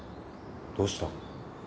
どうした？